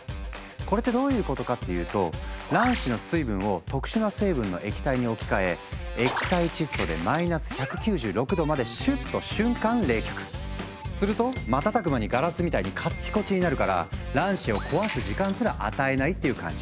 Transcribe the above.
これってどういうことかっていうと卵子の水分を特殊な成分の液体に置き換えすると瞬く間にガラスみたいにカッチコチになるから卵子を壊す時間すら与えないっていう感じ。